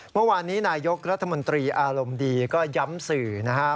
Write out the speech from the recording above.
เมื่อวานนี้นายกรัฐมนตรีอารมณ์ดีก็ย้ำสื่อนะครับ